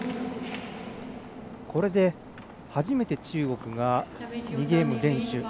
これで初めて中国が２ゲーム連取。